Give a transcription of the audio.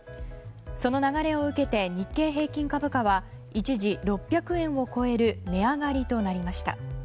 その流れを受けて日経平均株価は一時６００円を超える値上がりとなりました。